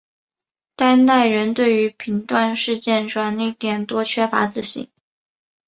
当代人对于评断事件转捩点多缺乏自信。